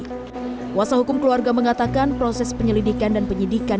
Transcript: kuasa hukum keluarga mengatakan proses penyelidikan dan penyidikan